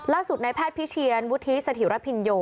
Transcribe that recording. ล่าสุดในแพทย์พิเชียรวุฒิสถิวรพิโย